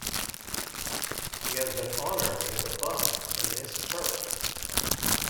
He has been honored with a bust in this church.